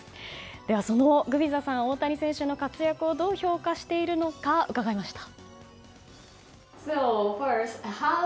では、そのグビザさんは大谷選手の活躍をどう評価しているのか伺いました。